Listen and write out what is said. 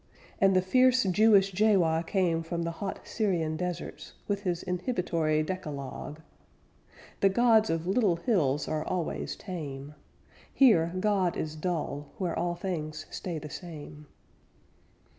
And the fierce Jewish Jaywah came From the hot Syrian deserts With his inhibitory decalogue. The gods of little hills are always tame; Here God is dull, where all things stay the same.